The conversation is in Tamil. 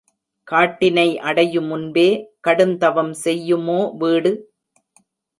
காட்டினை அடையு முன்பே கடுந்தவம் செய்யுமோ வீடு?